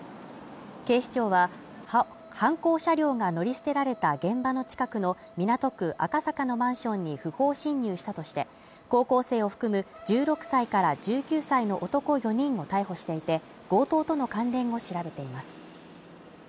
警視庁は犯行車両が乗り捨てられた現場の近くの港区赤坂のマンションに不法侵入したとして、高校生を含む１６歳から１９歳の男４人を逮捕していて、強盗との関連を調べています。